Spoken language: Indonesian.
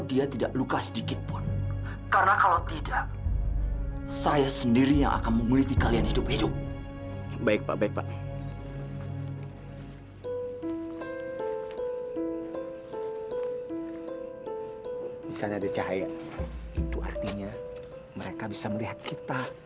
itu artinya mereka bisa melihat kita